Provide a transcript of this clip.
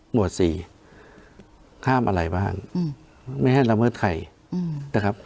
หมวดสี่ห้ามอะไรบ้างอืมไม่ให้ละเมิดใครอืมนะครับ